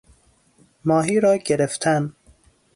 ماهی را گرفتن